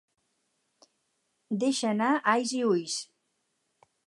Deixa anar ais i uis.